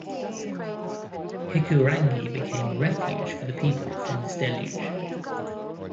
Hikurangi became a refuge for the people from this deluge.